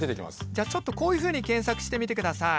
じゃあちょっとこういうふうに検索してみてください。